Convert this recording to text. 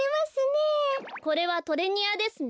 これはトレニアですね。